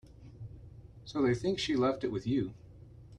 So they think she left it with you.